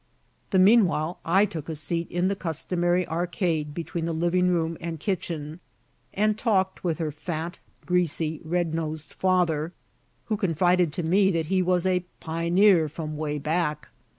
The meanwhile, I took a seat in the customary arcade between the living room and kitchen, and talked with her fat, greasy, red nosed father, who confided to me that he was "a pi'neer from way back."